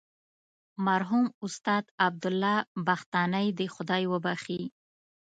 مرحوم استاد عبدالله بختانی دې خدای وبخښي.